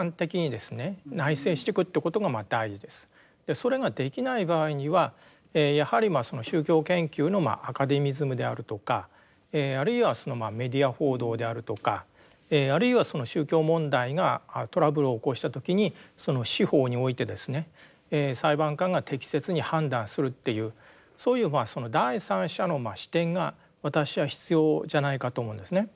それができない場合にはやはりその宗教研究のアカデミズムであるとかあるいはメディア報道であるとかあるいはその宗教問題がトラブルを起こした時にその司法においてですね裁判官が適切に判断するっていうそういう第三者の視点が私は必要じゃないかと思うんですね。